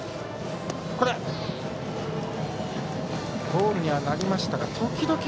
ボールになりましたが。